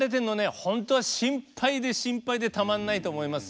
本当は心配で心配でたまらないと思いますよ。